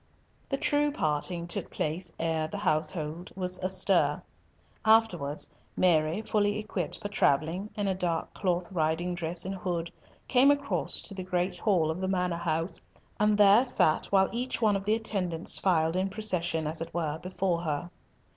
The true parting took place ere the household was astir. Afterwards, Mary, fully equipped for travelling, in a dark cloth riding dress and hood, came across to the great hall of the Manor house, and there sat while each one of the attendants filed in procession, as it were, before her.